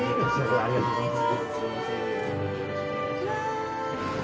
ありがとうございます。